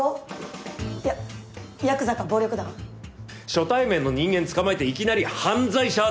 初対面の人間つかまえていきなり犯罪者扱いとは！